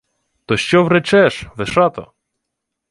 — То що вречеш, Вишато?